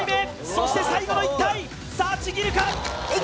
そして最後の１体さあちぎるか！？